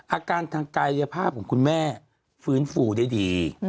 อาการทางกายภาพของคุณแม่ฟื้นฟูได้ดี